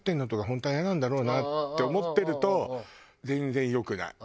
本当はイヤなんだろうなって思ってると全然良くない。